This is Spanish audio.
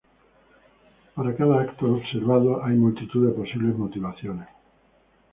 Para cada acto observado hay multitud de posibles motivaciones.